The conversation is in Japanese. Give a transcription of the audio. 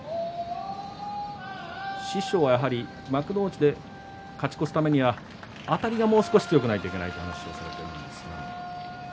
師匠は、やはり幕内で勝ち越すためにはあたりがもう少し強くないといけないという話をしていたんですが。